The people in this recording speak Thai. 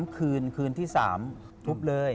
คืนคืนที่๓ทุบเลย